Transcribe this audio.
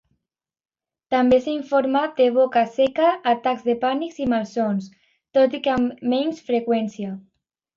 També s'ha informat de boca seca, atacs de pànic i malsons, tot i que amb menys freqüència.